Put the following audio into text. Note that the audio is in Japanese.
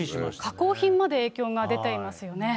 加工品まで影響が出ていますよね。